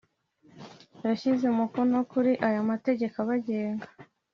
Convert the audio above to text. yashyize umukono kuri aya Mategeko abagenga